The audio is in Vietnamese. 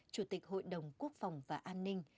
chủ tịch hội đồng quốc phòng và an ninh